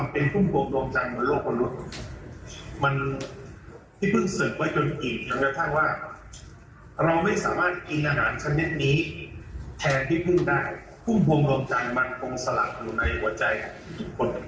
พุ่มพวงดวงจันทร์มันคงสลัดอยู่ในหัวใจทุกคน